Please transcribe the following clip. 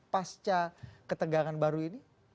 pasca ketegangan baru ini